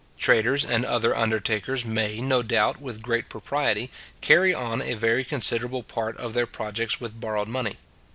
Traders and other undertakers may, no doubt with great propriety, carry on a very considerable part of their projects with borrowed money.